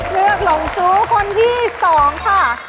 เลือกหลงจุคนที่๒ค่ะ